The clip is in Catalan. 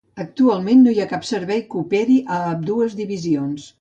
Actualment no hi cap servei que operi a ambdues divisions.